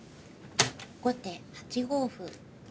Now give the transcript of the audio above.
後手８五歩。